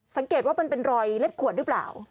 สังเกตว่ามันเป็นรอยเล็บขวดหรือเปล่า